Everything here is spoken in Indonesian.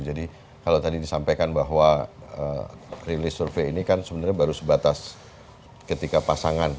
jadi kalau tadi disampaikan bahwa rilis survei ini kan sebenarnya baru sebatas ketika pasangan